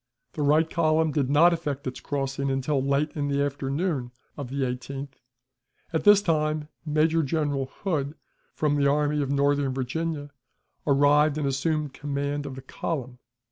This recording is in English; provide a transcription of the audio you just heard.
The right column did not effect its crossing until late in the afternoon of the 18th; at this time, Major General Hood, from the Army of Northern Virginia, arrived and assumed command of the column.